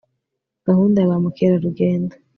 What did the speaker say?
gahunda ya ba mukerarugendo